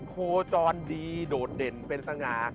โคจรดีโดดเด่นเป็นสง่า